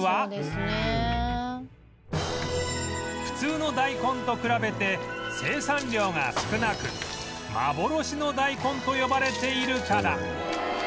普通の大根と比べて生産量が少なく「幻の大根」と呼ばれているから